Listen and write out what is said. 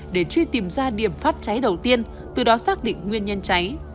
để truy tìm ra điểm phát cháy đầu tiên từ đó xác định nguyên nhân cháy